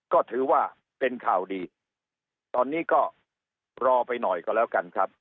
ก็ถือว่าเป็นข่าวดีตอนนี้ก็รอไปหน่อยก็แล้วกันครับ